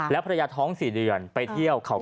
และพระยาท้องสี่เดือนไปเที่ยวเข่า